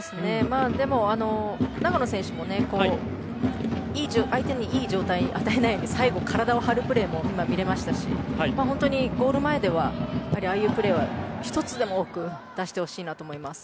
でも長野選手も相手に、いい状態で与えないように最後、体を張るプレーも見られましたし本当にゴール前ではああいうプレーは１つでも多く出してほしいと思います。